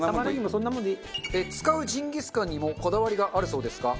使うジンギスカンにもこだわりがあるそうですが。